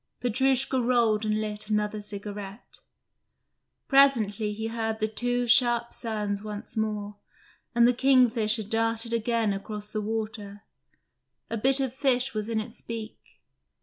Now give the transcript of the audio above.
Petrushka rolled and lit another cigarette. Presently he heard the two sharp sounds once more, and the kingfisher darted again across the water: a bit of fish was in its beak.